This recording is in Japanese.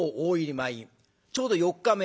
ちょうど４日目。